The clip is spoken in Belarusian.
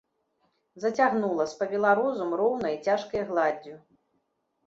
Зацягнула, спавіла розум роўнай, цяжкай гладдзю.